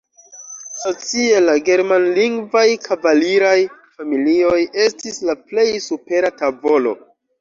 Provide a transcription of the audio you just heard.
Socie la germanlingvaj kavaliraj familioj estis la plej supera tavolo.